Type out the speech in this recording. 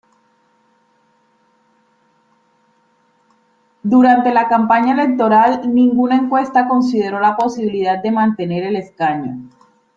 Durante la campaña electoral, ninguna encuesta consideró la posibilidad de mantener el escaño.